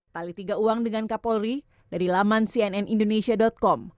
tali tiga uang dengan kapolri dari laman cnnindonesia com